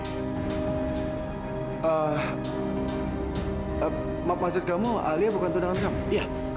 maaf maksud kamu alia bukan tunangan kamu iya